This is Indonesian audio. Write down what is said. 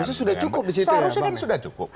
harusnya sudah cukup disitu ya bang eriko